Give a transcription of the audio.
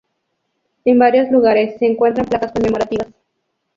En varios lugares se encuentran placas conmemorativas.